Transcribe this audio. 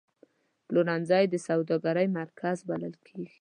پلورنځی د سوداګرۍ مرکز بلل کېږي.